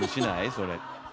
それ。